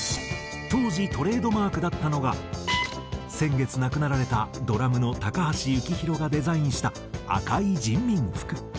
当時トレードマークだったのが先月亡くなられたドラムの高橋幸宏がデザインした赤い人民服。